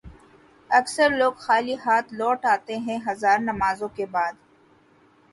اکثر لوگ خالی ہاتھ لوٹ آتے ہیں ہزار نمازوں کے بعد